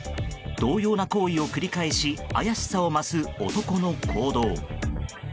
同様な行為を繰り返し怪しさを増す男の行動。